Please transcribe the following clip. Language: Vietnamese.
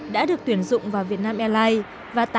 đã được tuyển dụng vào việt nam airlines